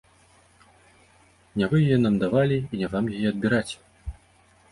Не вы яе нам давалі і не вам яе адбіраць.